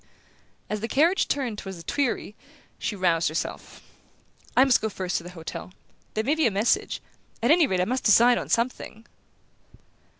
As the carriage turned toward the Tuileries she roused herself. "I must go first to the hotel. There may be a message at any rate I must decide on something."